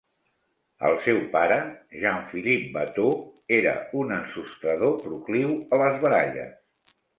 El seu pare, Jean-Philippe Watteau, era un ensostrador procliu a les baralles.